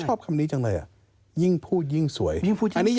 ชอบคำนี้จังเลยอ่ะยิ่งพูดยิ่งสวย